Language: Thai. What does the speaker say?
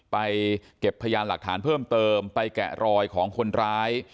ไปเก็บพยานหลักฐานเพิ่มเติมไปแกะรอยของคนร้าย